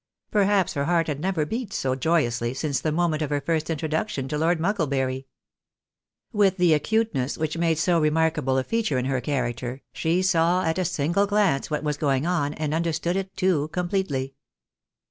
Perhaps her heart had never beat so joyously since the moment of her first introduction to Lord Mucklebury ! With the acutenes& which made so remarkable a feature in her character, she saw at a single glance what was going on, and un derstood it, too, completely.